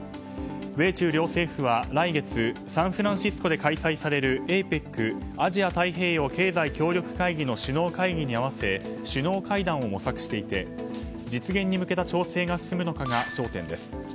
米中両政府は、来月サンフランシスコで開催されるＡＰＥＣ・アジア太平洋経済協力会議の首脳会議に合わせ首脳会談を模索していて実現に向けた調整が進むのかが焦点です。